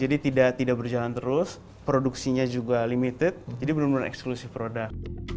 jadi tidak berjalan terus produksinya juga limited jadi benar benar eksklusif produk